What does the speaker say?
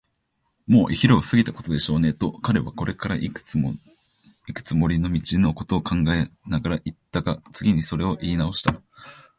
「もうお昼を過ぎたことでしょうね」と、彼はこれからいくつもりの道のことを考えながらいったが、次にそれをいいなおした。